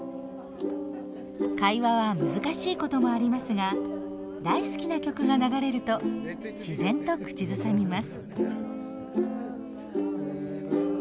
会話は難しいこともありますが大好きな曲が流れると自然と口ずさみます。